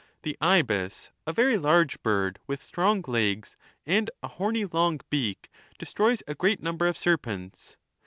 The ibis, a very large bird, witli strong legs and a horny long beak, de stroys a great number of serpents.